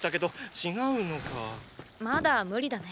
まだ無理だね。